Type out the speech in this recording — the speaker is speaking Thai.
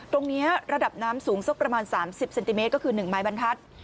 ตรงนี้ระดับน้ำสูงสักประมาณ๓๐เซนติเมตรก็คือ๑ไม้บรรทัศน์